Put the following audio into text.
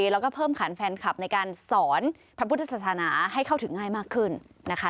แล้วก็เพิ่มขันแฟนคลับในการสอนพระพุทธศาสนาให้เข้าถึงง่ายมากขึ้นนะคะ